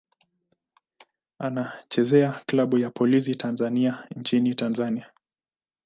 Anachezea klabu ya Polisi Tanzania nchini Tanzania.